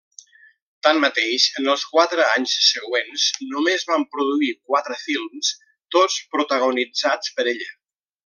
Tanmateix, en els quatre anys següents només van produir quatre films, tots protagonitzats per ella.